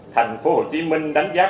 thành phố hồ chí minh đánh giá